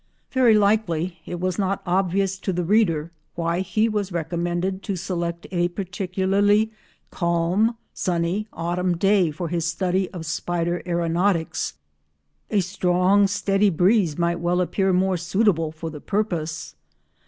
Very likely it was not obvious to the reader why he was recommended to select a particularly calm, sunny autumn day for his study of spider aeronautics; a strong steady breeze might well appear more suitable for the purpose.